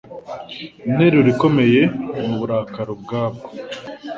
interuro ikomeye ni uburakari ubwabwo